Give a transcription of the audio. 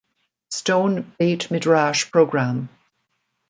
Stone Beit Midrash Program.